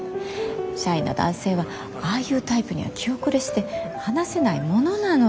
シャイな男性はああいうタイプには気後れして話せないものなのよ。